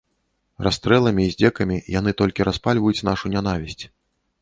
Расстрэламі і здзекамі яны толькі распальваюць нашу нянавісць.